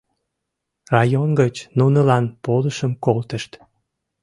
Район гыч нунылан полышым колтышт.